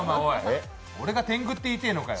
俺が天狗って言いたいのかよ。